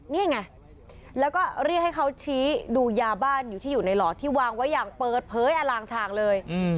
นี่ไงแล้วก็เรียกให้เขาชี้ดูยาบ้านอยู่ที่อยู่ในหลอดที่วางไว้อย่างเปิดเผยอลางชางเลย